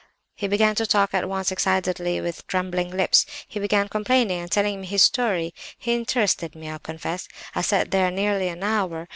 "He began to talk at once excitedly and with trembling lips; he began complaining and telling me his story. He interested me, I confess; I sat there nearly an hour.